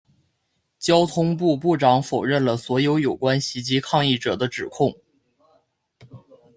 交通部部长否认了所有有关袭击抗议者的指控。